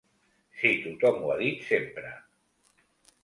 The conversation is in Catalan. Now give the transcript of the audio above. Si tothom ho ha dit sempre.